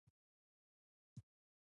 چا تر اوسه له بوټانو ډوډۍ نه ده پخه کړې